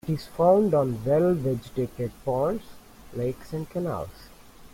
It is found on well-vegetated ponds, lakes and canals.